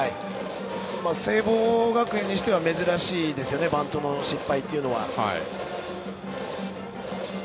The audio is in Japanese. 聖望学園にしては珍しいですよねバントの失敗というのは。